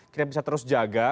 kita bisa terus jaga